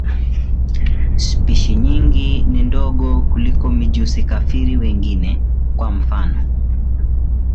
Spishi nyingi ni ndogo kuliko mijusi-kafiri wengine, kwa mfano.